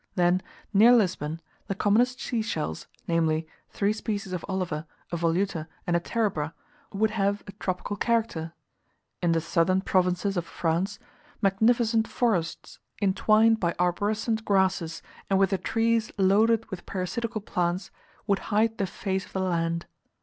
Then, near Lisbon, the commonest sea shells, namely, three species of Oliva, a Voluta, and a Terebra, would have a tropical character. In the southern provinces of France, magnificent forests, intwined by arborescent grasses and with the trees loaded with parasitical plants, would hide the face of the land.